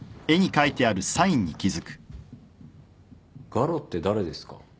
ガロって誰ですか？